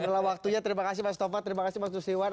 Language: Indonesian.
setelah waktunya terima kasih mas tova terima kasih mas nusriwan